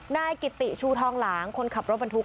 นายกิติชูทองหลางคนขับรถบรรทุก